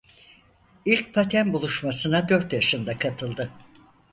İlk paten buluşmasına dört yaşında katıldı.